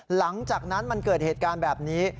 หลังจากนั้นมันเกิดเหตุการณ์แบบนี้